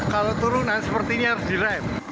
kalau turunan seperti ini harus di rap